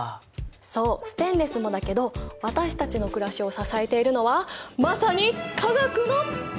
そうステンレスもだけど私たちのくらしを支えているのはまさに化学の力！